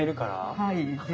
はい。